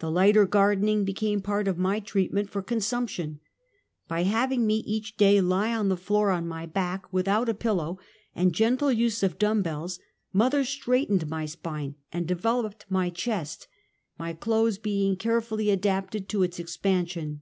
The lighter gardening became part of my treatment for consumption. By having me each day lie on tlie floor on my back with out a pillow, and gentle use of dumb bells, mother straightened my spine and developed my chest — my clothes being carefully adapted to its expansion.